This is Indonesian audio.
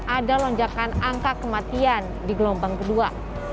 ada lonjakan angka kematian di gelombang kedua